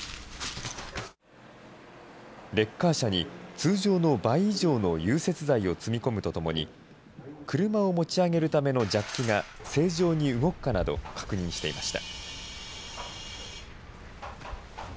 レッカー車に通常の倍以上の融雪剤を積み込むとともに、車を持ち上げるためのジャッキが正常に動くかなど確認していました。